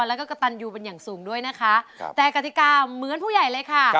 แล้วก็กระตันยูเป็นอย่างสูงด้วยนะคะครับแต่กติกาเหมือนผู้ใหญ่เลยค่ะ